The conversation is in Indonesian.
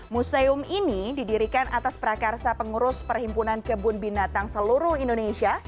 museum ini didirikan atas prakarsa pengurus perhimpunan kebun binatang seluruh indonesia